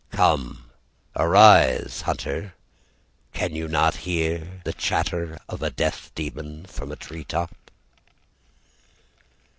....... Come, arise, hunter! Can you not hear? The chatter of a death demon from a tree top.